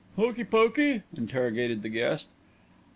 "Hokey Pokey!" interrogated the guest.